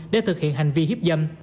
để thực hiện hành vi hiếp dâm